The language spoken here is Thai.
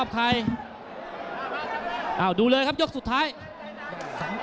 น้ำเงินรอโต